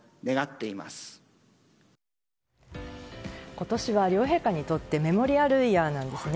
今年は両陛下にとってメモリアルイヤーなんですね。